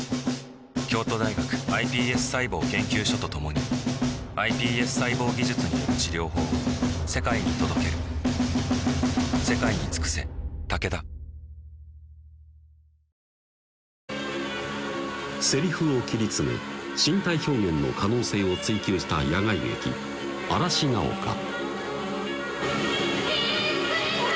京都大学ｉＰＳ細胞研究所と共にｉＰＳ細胞技術による治療法を世界に届けるセリフを切り詰め身体表現の可能性を追求した野外劇「嵐が丘」「ヒースクリフ！」